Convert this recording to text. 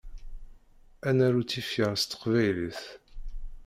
Ad naru tifyar s teqbaylit.